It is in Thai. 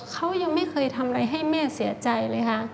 เขายังไม่เคยทำอะไรให้แม่เสียใจเลยค่ะ